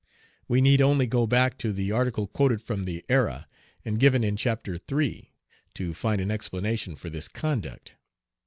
We need only go back to the article quoted from the Era, and given in Chapter III., to find an explanation for this conduct.